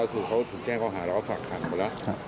ก็ถูกแจ้งเขาหาแล้วเขาฝากหังไปแล้ว